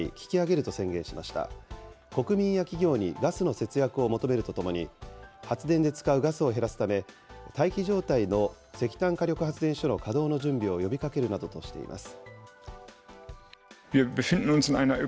国民や企業にガスの節約を求めるとともに、発電で使うガスを減らすため、待機状態の石炭火力発電所の稼働の準備を呼びかけるなどとしています。